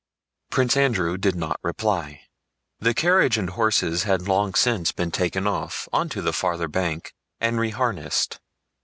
Prince Andrew did not reply. The carriage and horses had long since been taken off, onto the farther bank, and reharnessed.